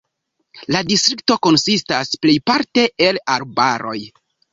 La distrikto konsistas plejparte el arbaroj.